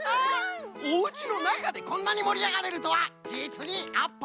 おうちのなかでこんなにもりあがれるとはじつにあっぱれじゃ！